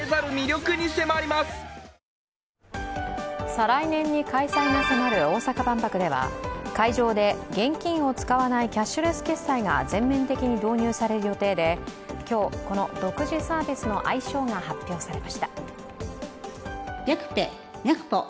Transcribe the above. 再来年に開催が迫る大阪万博では会場で現金を使わないキャッシュレス決済が全面的に導入される予定で今日、この独自サービスの名称が発表されました。